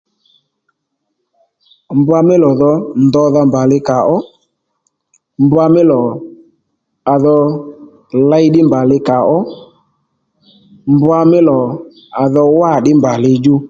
Mbwa mí lò dho ndodha mbà li kàó mbwa mí lò à dho ley ddí mbà li kàó mbwa mí lò à dho wâ ní ddiy ddí mbà li djú